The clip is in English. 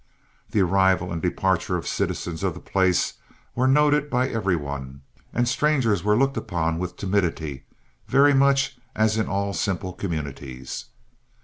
The arrival and departure of citizens of the place were noted by every one, and strangers were looked upon with timidity, very much as in all simple communities.